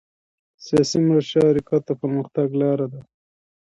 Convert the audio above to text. سیاسي مشارکت د پرمختګ لاره ده